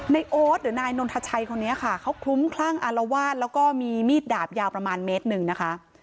โอ๊ตหรือนายนนทชัยคนนี้ค่ะเขาคลุ้มคลั่งอารวาสแล้วก็มีมีดดาบยาวประมาณเมตรหนึ่งนะคะ